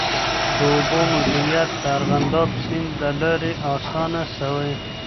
د اوبو مدیریت د ارغنداب سیند له لارې آسان سوي.